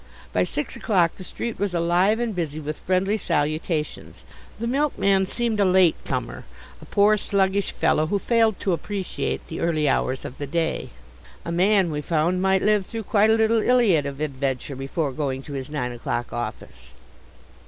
By six o'clock the street was alive and busy with friendly salutations. The milkman seemed a late comer, a poor, sluggish fellow who failed to appreciate the early hours of the day. A man, we found, might live through quite a little Iliad of adventure before going to his nine o'clock office.